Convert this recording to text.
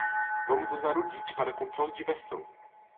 Vamos usar o Git para controle de versão.